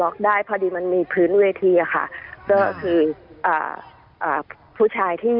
คือผู้ชายที่